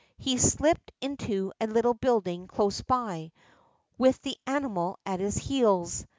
He slipped into a little building close by, with the animal at his heels.